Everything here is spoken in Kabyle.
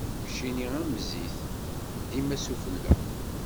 Keččini am zzit, dima s ufella.